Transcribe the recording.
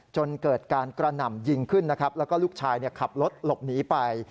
จนเกิดการกระหน่ำยิงขึ้นนะครับแล้วก็ลูกชายขับรถหลบหนีไป